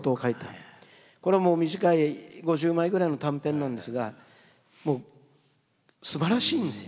これはもう短い５０枚ぐらいの短編なんですがもうすばらしいんですよね。